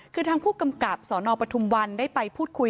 คือทางผู้กำกับสนปทุมวันได้ไปพูดคุย